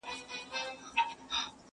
مونږه د مینې تاوانونه کړي ,